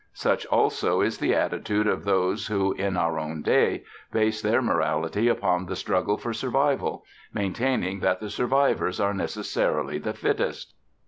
Such also is the attitude of those who, in our own day, base their morality upon the struggle for survival, maintaining that the survivors are necessarily the fittest.